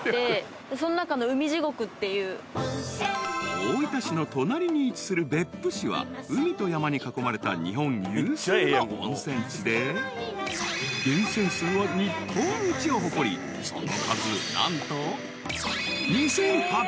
［大分市の隣に位置する別府市は海と山に囲まれた日本有数の温泉地で源泉数は日本一を誇りその数何と］